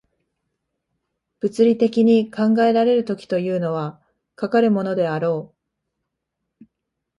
物理的に考えられる時というのは、かかるものであろう。